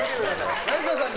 成田さんに。